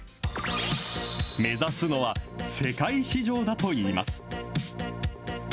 目指すのは、世界市場だといいます。